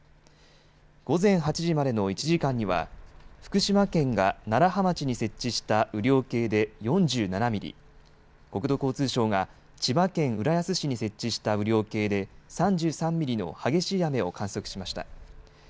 午前８時までの１時間には福島県が楢葉町に設置した雨量計で４７ミリ、国土交通省が千葉県浦安市に設置した雨量計で３３ミリの激しい雨を観測しました。